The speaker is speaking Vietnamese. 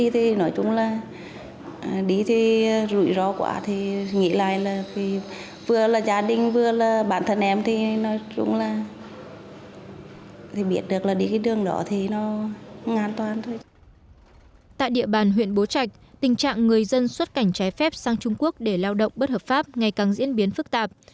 tại địa bàn huyện bố trạch tình trạng người dân xuất cảnh trái phép sang trung quốc để lao động bất hợp pháp ngày càng diễn biến phức tạp